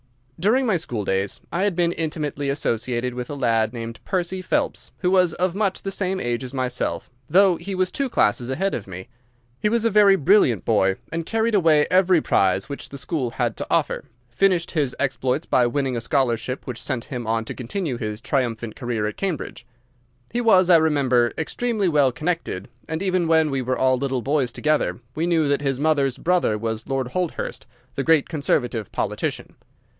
During my school days I had been intimately associated with a lad named Percy Phelps, who was of much the same age as myself, though he was two classes ahead of me. He was a very brilliant boy, and carried away every prize which the school had to offer, finished his exploits by winning a scholarship which sent him on to continue his triumphant career at Cambridge. He was, I remember, extremely well connected, and even when we were all little boys together we knew that his mother's brother was Lord Holdhurst, the great conservative politician.